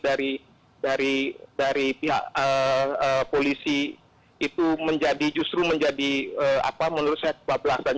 dari pihak polisi itu justru menjadi menurut saya kebab belakang